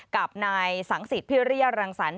กับนายสังสิทธิพิริยรังสรรค